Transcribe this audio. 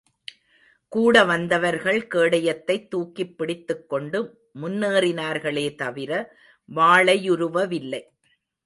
கூட வந்தவர்கள், கேடயத்தைத் தூக்கிப் பிடித்துக் கொண்டு முன்னேறினார்களே தவிர வாளையுருவவில்லை.